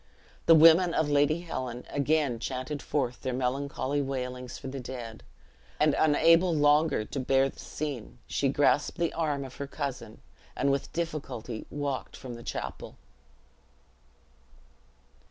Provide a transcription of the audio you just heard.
The women of Lady Helen again chanted forth their melancholy wailings for the dead; and unable longer to bear the scene, she grasped the arm of her cousin, and with difficulty walked from the chapel.